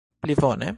Pli bone?